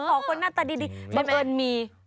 ของคนหน้าตาดีบังเอิญมี